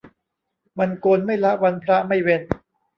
วันโกนไม่ละวันพระไม่เว้น